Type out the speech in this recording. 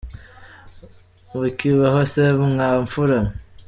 “Mukibaho se mwa mfura mwe ?